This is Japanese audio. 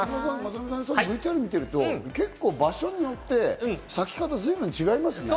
ＶＴＲ見てると結構、場所によって咲き方、随分違いますよね。